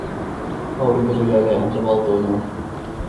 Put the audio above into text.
Aurinko syleilee häntä valtoinaan.